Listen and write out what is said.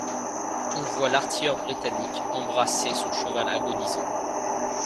On voit l’artilleur britannique embrasser son cheval agonisant.